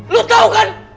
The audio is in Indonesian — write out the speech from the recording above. lu tau kan